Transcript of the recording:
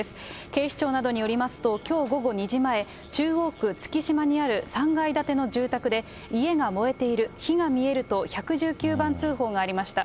警視庁などによりますと、きょう午後２時前、中央区月島にある３階建ての住宅で、家が燃えている、火が見えると１１９番通報がありました。